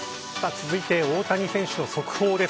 続いて大谷選手の速報です。